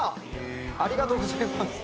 ありがとうございます。